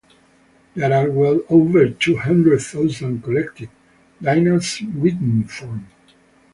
There are well over two hundred thousand collected dainas in written form.